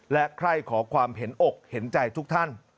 และใครขอความเห็นอกเห็นใจทุกท่าน